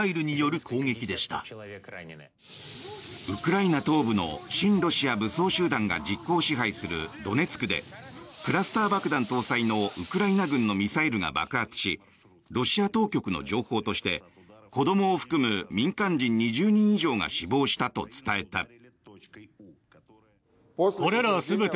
ウクライナ東部の親ロシア武装集団が実効支配するドネツクでクラスター爆弾搭載のウクライナ軍のミサイルが爆発しロシア当局の情報として子どもを含む民間人２０人以上が死亡したと伝えた。